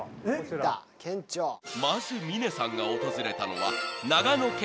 ［まず峰さんが訪れたのは］